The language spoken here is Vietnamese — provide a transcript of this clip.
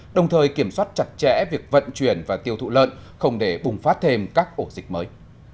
đồng thời kiểm soát chặt chẽ việc vận chuyển và tiêu thụ lợn không để bùng phát thêm các ổ dịch mới